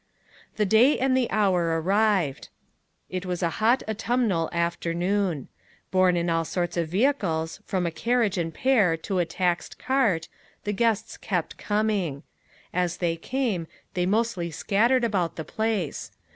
The day and the hour arrived. It was a hot autumnal afternoon. Borne in all sorts of vehicles, from a carriage and pair to a taxed cart, the guests kept coming. As they came, they mostly scattered about the place.